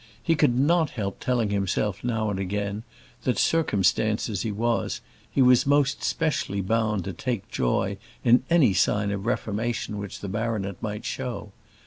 He could not help telling himself now and again that, circumstanced as he was, he was most specially bound to take joy in any sign of reformation which the baronet might show.